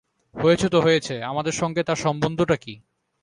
হয়েছে তো হয়েছে, আমাদের সঙ্গে তার সম্বন্ধটা কী!